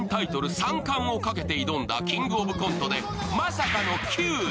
３冠をかけて挑んだ「キングオブコント」でまさかの９位。